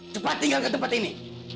cepat tinggal ke tempat ini